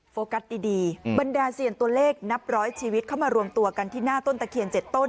โฟกัสดีบรรดาเซียนตัวเลขนับร้อยชีวิตเข้ามารวมตัวกันที่หน้าต้นตะเคียน๗ต้น